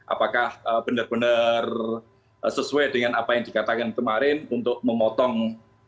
apakah benar benar sesuai dengan apa yang dikatakan kemarin untuk memotong